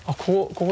ここ